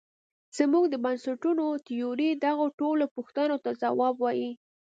زموږ د بنسټونو تیوري دغو ټولو پوښتونو ته ځواب وايي.